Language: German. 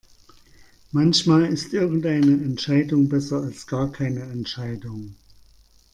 Manchmal ist irgendeine Entscheidung besser als gar keine Entscheidung.